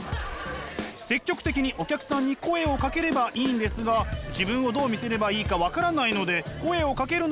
積極的にお客さんに声をかければいいんですが自分をどう見せればいいか分からないので声をかけるのも気が引けるんだとか。